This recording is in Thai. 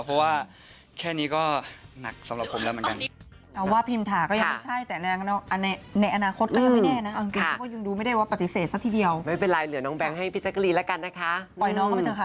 เพราะว่าแค่นี้ก็หนักสำหรับผมแล้วเหมือนกัน